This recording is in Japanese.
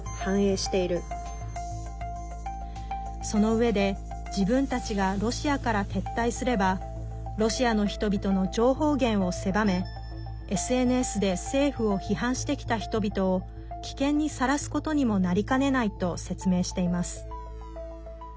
そのうえで、自分たちがロシアから撤退すればロシアの人々の情報源を狭めＳＮＳで政府を批判してきた人々を危険にさらすことにもなりかねないと説明しています。